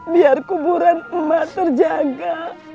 biar kuburan emak terjaga